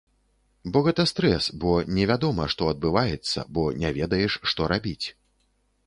Бо гэта стрэс, бо невядома, што адбываецца, бо не ведаеш, што рабіць.